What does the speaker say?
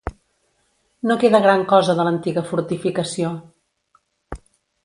No queda gran cosa de l'antiga fortificació.